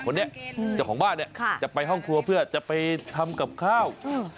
คนนี้เจ้าของบ้านเนี่ยจะไปห้องครัวเพื่อจะไปทำกับข้าว